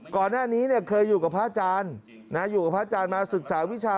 ก่อนหน้านี้เคยอยู่กับพระอาจารย์อยู่กับพระอาจารย์มาศึกษาวิชา